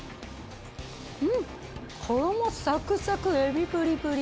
うんっ、衣さくさく、エビぷりぷり。